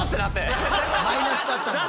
マイナスだったんだ。